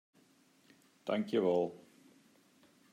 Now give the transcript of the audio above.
Tankjewol.